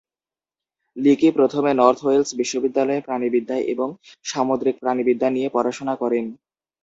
Leaky প্রথমে North Wales বিশ্ববিদ্যালয়ে প্রাণিবিদ্যা এবং সামুদ্রিক প্রাণীবিদ্যা নিয়ে পড়াশোনা করেন।